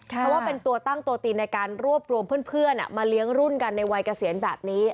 เพราะว่าเป็นตัวตั้งตัวตีนในการรวบรวมเพื่อนมาเลี้ยงรุ่นกันในวัยเกษียณแบบนี้